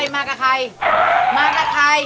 มากับใคร